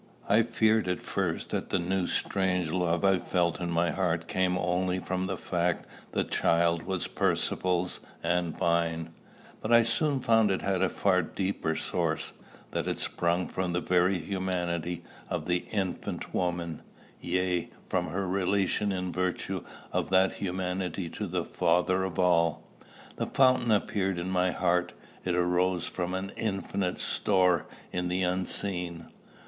I feared at first that the new strange love I felt in my heart came only of the fact that the child was Percivale's and mine; but I soon found it had a far deeper source, that it sprung from the very humanity of the infant woman, yea, from her relation in virtue of that humanity to the Father of all. The fountain appeared in my heart: it arose from an infinite store in the unseen.